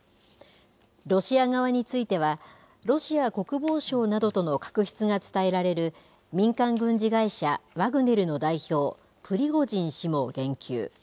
ロシア側については、ロシア国防省などとの確執が伝えられる、民間軍事会社ワグネルの代表、プリゴジン氏も言及。